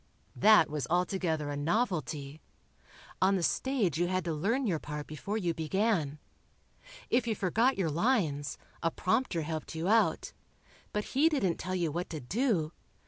That was altogether a novelty. On the stage you had to learn your part before you began. If you forgot your lines, a prompter helped you out, but he didn't tell you what to do ...